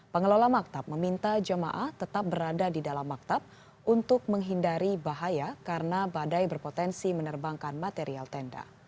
pengelola maktab meminta jemaah tetap berada di dalam maktab untuk menghindari bahaya karena badai berpotensi menerbangkan material tenda